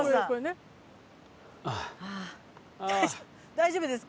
大丈夫ですか？